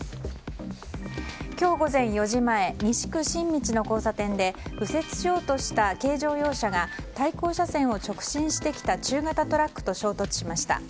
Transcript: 今日午前４時前西区新道の交差点で右折しようとした軽乗用車が、対向車線を直進してきた中型トラックと衝突しました。